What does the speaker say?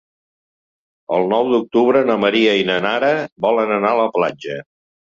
El nou d'octubre na Maria i na Nara volen anar a la platja.